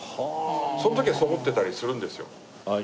その時はそう思ってたりするんですよ。